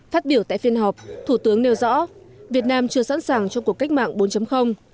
phát biểu tại phiên họp thủ tướng nêu rõ việt nam chưa sẵn sàng cho cuộc cách mạng bốn